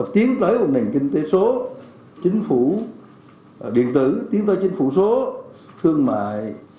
tiến tới một nền kinh tế số chính phủ điện tử tiến tới chính phủ số thương mại